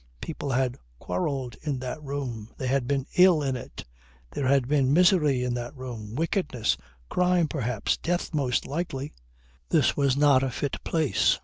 People had quarrelled in that room; they had been ill in it, there had been misery in that room, wickedness, crime perhaps death most likely. This was not a fit place.